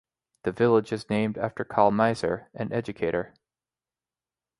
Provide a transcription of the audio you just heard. The village is named after Karl Maeser, an educator.